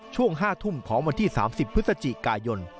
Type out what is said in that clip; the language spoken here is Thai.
ช่วง๕ทุ่มของวันที่๓๐พฤศจิกายน